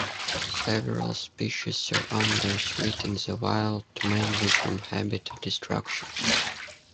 Several species are under threat in the wild, mainly from habitat destruction.